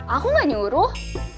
aku gak nyuruh